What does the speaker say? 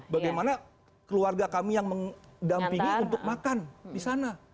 bagaimana keluarga kami yang mendampingi untuk makan di sana